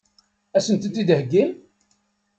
Ad sen-tent-id-theggim?